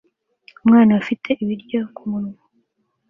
Umwana ufite ibiryo kumunwa